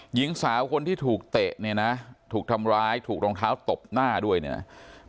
หญิงสาวคนที่ถูกเตะเนี่ยนะถูกทำร้ายถูกรองเท้าตบหน้าด้วยเนี่ยนะ